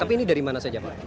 tapi ini dari mana saja pak